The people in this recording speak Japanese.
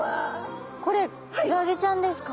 これクラゲちゃんですか。